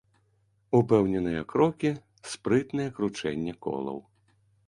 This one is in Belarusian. Упэўненыя крокі, спрытнае кручэнне колаў.